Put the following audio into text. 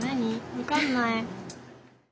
わかんない。